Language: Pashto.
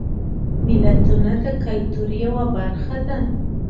متلونه د کولتور یوه برخه ده